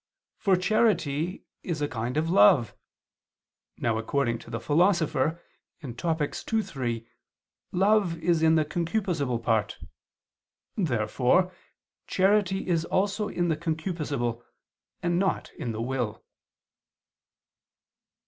For charity is a kind of love. Now, according to the Philosopher (Topic. ii, 3) love is in the concupiscible part. Therefore charity is also in the concupiscible and not in the will.